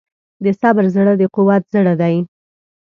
د صبر زړه د قوت زړه دی.